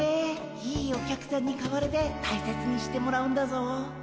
いいお客さんに買われて大切にしてもらうんだぞ。